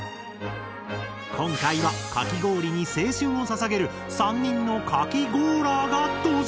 今回はかき氷に青春をささげる３人のかきゴーラーが登場！